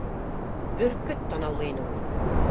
Бөркөт танаулы ине ул